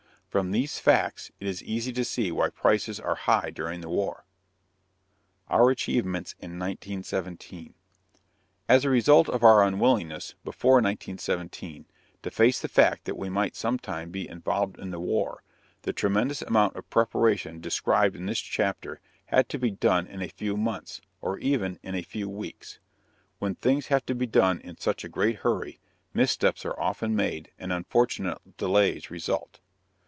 From these facts it is easy to see why prices are high during the war. OUR ACHIEVEMENTS IN 1917. As a result of our unwillingness, before 1917, to face the fact that we might sometime be involved in war, the tremendous amount of preparation described in this chapter had to be done in a few months, or even in a few weeks. When things have to be done in such a great hurry, missteps are often made and unfortunate delays result.